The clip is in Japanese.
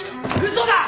嘘だ！